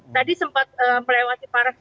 tadi sempat melewati paras